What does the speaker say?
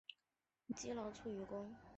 积劳卒于官。